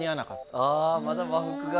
あまだ和服が。